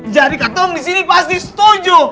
jadi kak tong disini pasti setuju